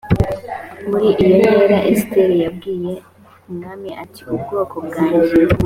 muri iyo nkera esiteri yabwiye umwami ati ubwoko bwanjye